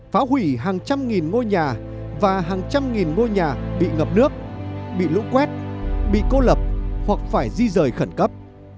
phá hủy hàng trăm nghìn ngôi nhà và hàng trăm nghìn ngôi nhà bị ngập nước bị lũ quét bị cô lập hoặc phải di rời khẩn cấp